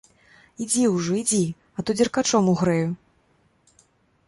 Ідзі ўжо, ідзі, а то дзеркачом угрэю.